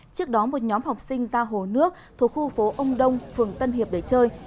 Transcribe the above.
trước đó một nhóm học sinh ra hồ nước thuộc khu phố ông đông phường tân hiệp để chơi